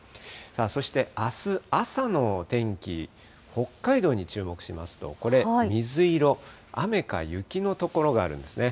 そしてあす朝のお天気、北海道に注目しますと、これ、水色、雨か雪の所があるんですね。